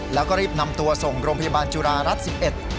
แล้วก็รีบนำตัวส่งโรงพยาบาลจุฬารัฐสิบเอ็ด